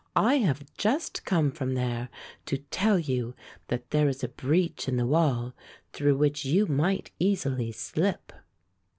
I have just come from there to tell you that there is a breach in the wall through which you might easily slip."